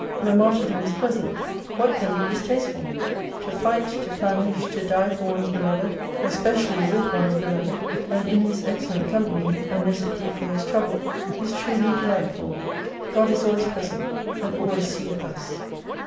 Where martyrdom is pleasant, what can be distasteful. To fight, to famish, to die for one's beloved, especially with one's beloved, and in his excellent company, unless it be for his trouble, is truly delightful, God is always present, and always seeth us.